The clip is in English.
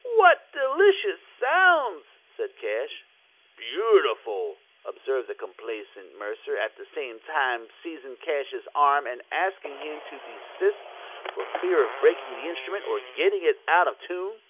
"What delicious sounds!" said Cash. "Beautiful!" observed the complacent Mercer, at the same time seizing Cash's arm and asking him to desist, for fear of breaking the instrument or getting it out of tune.